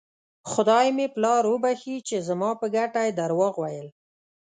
خدای مې پلار وبښي چې زما په ګټه یې درواغ ویل.